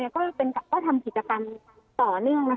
ก็ทำกิจกรรมต่อเนื่อง